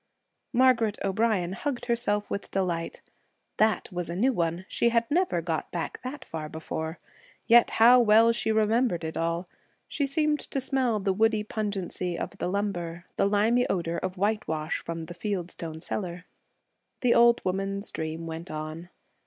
Margaret O'Brien hugged herself with delight. That was a new one; she had never got back that far before. Yet how well she remembered it all! She seemed to smell the woody pungency of the lumber, the limey odor of white wash from the field stone cellar. The old woman's dream went on.